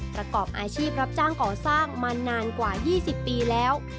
ประกอบอาชีพรับจ้างก่อสร้างมานานกว่า๒๐ปีแล้ว